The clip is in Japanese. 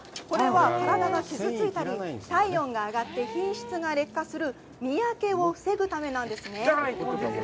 これは体が傷ついたり体温が上がって品質が劣化する身焼けを防ぐためなんですね。